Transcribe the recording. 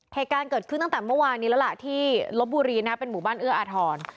เหตุการณ์เกิดขึ้นตั้งแต่เมื่อวานนี้แล้วล่ะที่ลบบุรีนะเป็นหมู่บ้านเอื้ออาทร